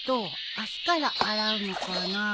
足から洗うのかな。